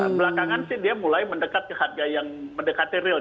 belakangan sih dia mulai mendekat ke harga yang mendekati real